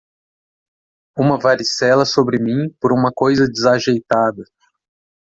Uma varicela sobre mim por uma coisa desajeitada.